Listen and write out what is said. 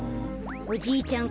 おじいちゃん